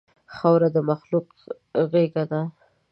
خاوره د مخلوق غېږه ده.